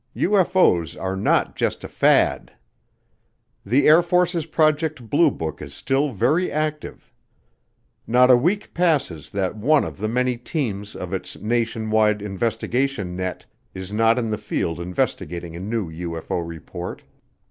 UFO's are not just a fad. The Air Force's Project Blue Book is still very active. Not a week passes that one of the many teams of its nation wide investigation net is not in the field investigating a new UFO report.